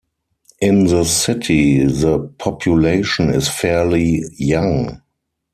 In the city, the population is fairly young.